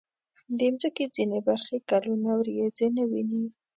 د مځکې ځینې برخې کلونه وریځې نه ویني.